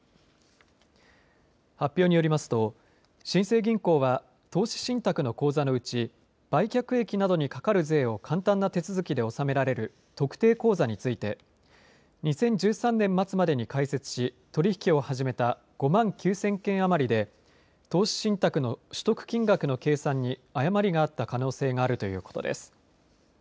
発表によりますと新生銀行は投資信託の口座のうち売却益などにかかる税を簡単な手続きで納められる特定口座について２０１３年末までに開設し取り引きを始めた５万９０００件あまりで投資信託の取得金額の計算に誤りがあった可能性があるということです。